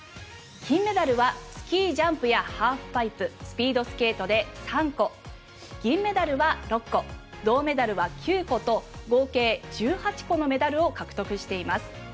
金メダルはスキージャンプやハーフパイプスピードスケートで３個銀メダルは６個銅メダルは９個と合計１８個のメダルを獲得しています。